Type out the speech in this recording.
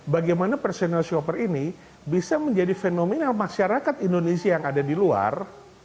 bagaimana personal shopper ini bisa menjadi fenomenal masyarakat indonesia yang ada di luar